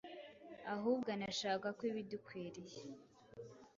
ahubwo anashaka ko iba idukwiriye,